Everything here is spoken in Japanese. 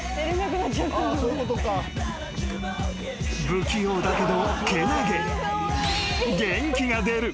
［不器用だけどけなげ］